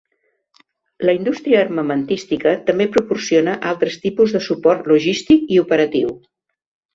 La indústria armamentística també proporciona altres tipus de suport logístic i operatiu.